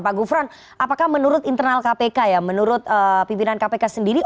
pak gufron apakah menurut internal kpk ya menurut pimpinan kpk sendiri